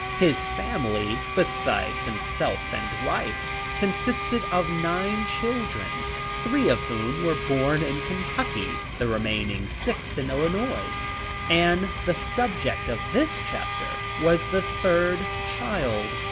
His family, besides himself and wife, consisted of nine children, three of whom were born in Kentucky, the remaining six in Illinois. Anne, the subject of this chapter, was the third child.